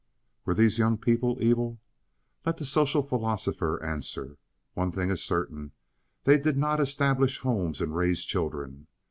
Were these young people evil? Let the social philosopher answer. One thing is certain: They did not establish homes and raise children.